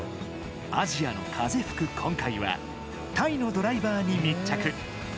アジアの風吹く今回はタイのドライバーに密着。